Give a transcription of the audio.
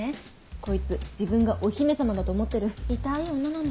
こいつ自分がお姫様だと思ってる痛い女なんで。